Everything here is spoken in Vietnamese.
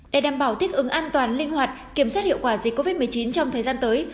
để đảm bảo thích ứng an toàn linh hoạt kiểm soát hiệu quả dịch covid một mươi chín trong thời gian tới